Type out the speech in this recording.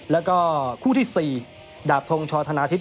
แล้วก็คู่ที่๔ดาบทงชอธนาทิพ